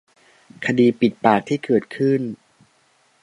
คดี ปิดปาก ที่เกิดขึ้น